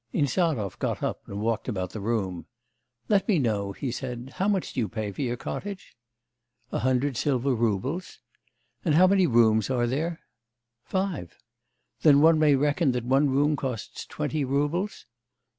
Insarov got up and walked about the room. 'Let me know,' he said, 'how much do you pay for your cottage?' 'A hundred silver roubles.' 'And how many rooms are there?' 'Five.' 'Then one may reckon that one room costs twenty roubles?